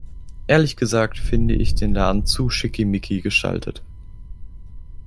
Ehrlich gesagt finde ich den Laden zu schickimicki gestaltet.